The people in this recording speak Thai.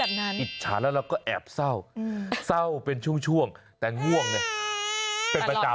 อิจฉาแล้วเราก็แอบเศร้าเศร้าเป็นช่วงแต่ง่วงไงเป็นประจำ